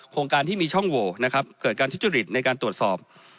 โครงการที่มีช่องโหวนะครับเกิดการทุจริตในการตรวจสอบ